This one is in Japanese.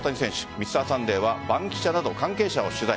「Ｍｒ．サンデー」は番記者など関係者を取材。